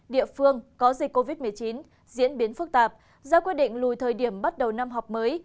địa phương có dịch covid một mươi chín diễn biến phức tạp ra quyết định lùi thời điểm bắt đầu năm học mới